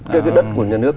cái đất của nhà nước